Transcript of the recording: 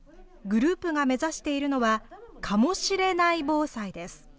グループが目指しているのは、かもしれない防災です。